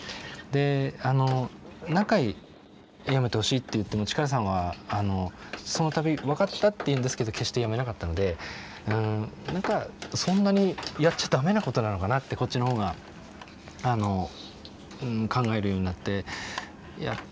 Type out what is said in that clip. であの何回やめてほしいって言っても力さんはあのその度分かったって言うんですけど決してやめなかったのでうん何かそんなにやっちゃ駄目なことなのかなってこっちの方があの考えるようになっていや